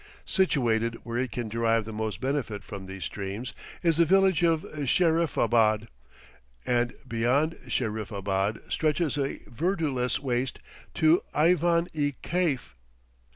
Situated where it can derive the most benefit from these streams is the village of Sherifabad, and beyond Sherifabad stretches a verdureless waste to Aivan i Kaif.